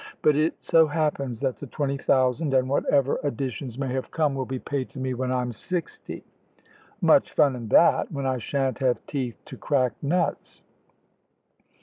But it so happens that the twenty thousand, and whatever additions may have come, will be paid to me when I'm sixty. Much fun in that, when I shan't have teeth to crack nuts."